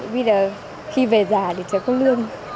bây giờ khi về già thì chẳng có lương